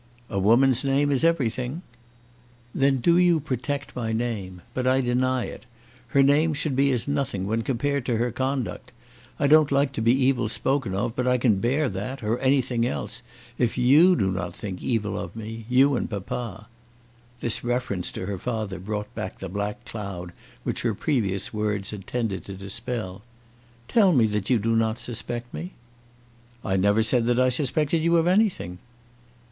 "A woman's name is everything." "Then do you protect my name. But I deny it. Her name should be as nothing when compared with her conduct. I don't like to be evil spoken of, but I can bear that, or anything else, if you do not think evil of me, you and papa." This reference to her father brought back the black cloud which her previous words had tended to dispel. "Tell me that you do not suspect me." "I never said that I suspected you of anything."